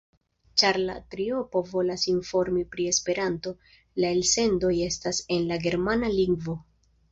Ĉar la triopo volas informi pri Esperanto, la elsendoj estas en la germana lingvo.